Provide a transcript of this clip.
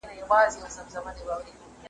شاته هیڅ څوک نه سي تللای دا قانون دی ,